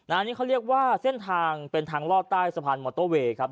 อันนี้เขาเรียกว่าเส้นทางเป็นทางลอดใต้สะพานมอเตอร์เวย์ครับ